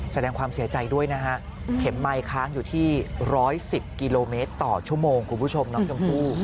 แสดงความเสียใจด้วยนะฮะเข็มไมค์ค้างอยู่ที่๑๑๐กิโลเมตรต่อชั่วโมงคุณผู้ชมน้องชมพู่